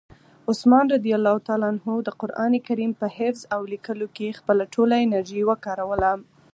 عثمان رض د قرآن کریم په حفظ او لیکلو کې خپله ټوله انرژي وکاروله.